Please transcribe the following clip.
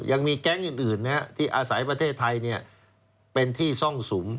ยังมีแก๊งอื่นที่อาศัยประเทศไทยเป็นที่ซ่องสุม